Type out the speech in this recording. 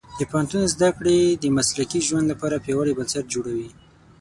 د پوهنتون زده کړې د مسلکي ژوند لپاره پیاوړي بنسټ جوړوي.